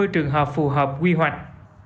hai mươi trường hợp phù hợp quy hoạch